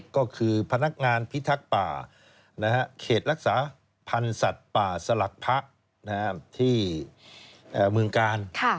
ก็คือพนักงานพิทักษ์ป่าเขตรักษาพันธุ์สัตว์ป่าสลักพระที่เมืองกาล